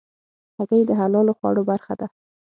هګۍ د حلالو خوړو برخه ده.